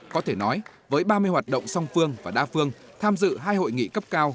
có thể nói với ba mươi hoạt động song phương và đa phương tham dự hai hội nghị cấp cao